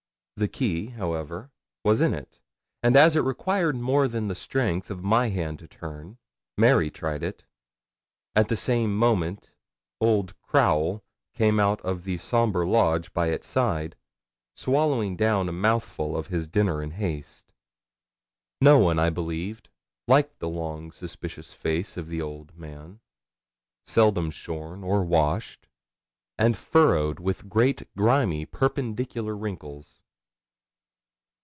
The key, however, was in it, and as it required more than the strength of my hand to turn, Mary tried it. At the same moment old Crowle came out of the sombre lodge by its side, swallowing down a mouthful of his dinner in haste. No one, I believe, liked the long suspicious face of the old man, seldom shorn or washed, and furrowed with great, grimy perpendicular wrinkles.